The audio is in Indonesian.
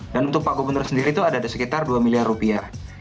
dan untuk pak gubernur sendiri itu ada sekitar dua miliar rupiah